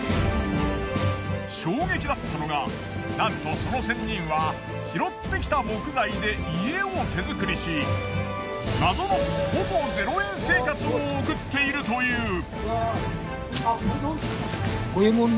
衝撃だったのがなんとその仙人は拾ってきた木材で家を手作りし謎のほぼ０円生活を送っているという。